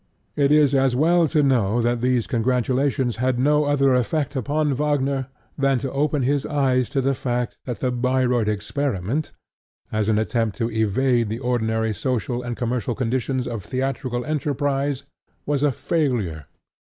It is as well to know that these congratulations had no other effect upon Wagner than to open his eyes to the fact that the Bayreuth experiment, as an attempt to evade the ordinary social and commercial conditions of theatrical enterprise, was a failure.